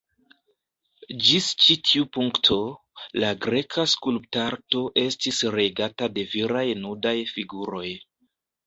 Ĝis ĉi tiu punkto, la greka skulptarto estis regata de viraj nudaj figuroj.